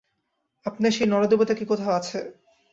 আপনার সেই নরদেবতা কি কোথাও আছে?